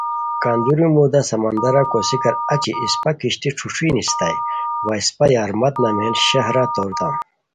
کندوری مُودا سمندرا کوسیکار اچی اسپہ کشتی ݯھوݯھوئی نیستائے وا اسپہ یارمت نامین شہرا توریتام